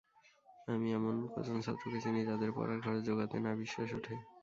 আমি এমন কজন ছাত্রকে চিনি যাঁদের পড়ার খরচ জোগাতে নাভিশ্বাস ওঠে।